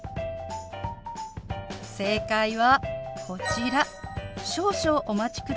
正解はこちら。